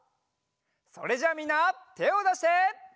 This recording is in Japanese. それじゃあみんなてをだして。